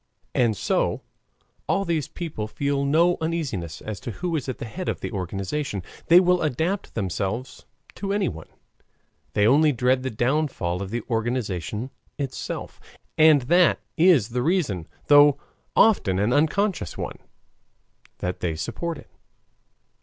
And so all these people feel no uneasiness as to who is at the head of the organization, they will adapt themselves to anyone; they only dread the downfall of the organization itself, and that is the reason though often an unconscious one that they support it.